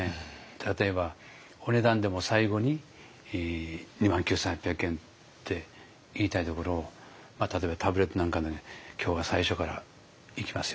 例えばお値段でも最後に２万９，８００円って言いたいところ例えばタブレットなんか「今日は最初からいきますよ